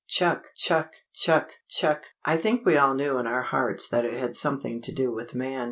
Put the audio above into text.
Chuck! chuck! chuck! chuck! I think we all knew in our hearts that it had something to do with man.